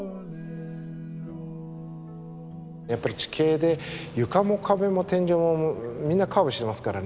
やっぱり地形で床も壁も天井もみんなカーブしてますからね。